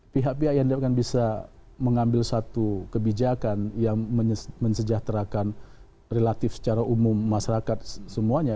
pihak pihak yang bisa mengambil satu kebijakan yang mensejahterakan relatif secara umum masyarakat semuanya